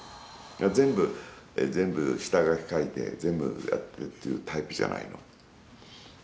だから全部、全部、下書き描いて全部、やってるっていうタイプじゃないの。